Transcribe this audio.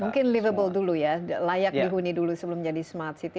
mungkin livable dulu ya layak dihuni dulu sebelum jadi smart city